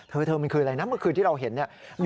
เธอมันคืออะไรนะเมื่อคืนที่เราเห็นเนี่ย